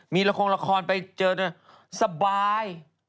มีละครละครไปเจอสบาย